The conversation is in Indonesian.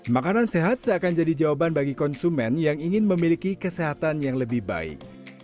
makanan sehat seakan jadi jawaban bagi konsumen yang ingin memiliki kesehatan yang lebih baik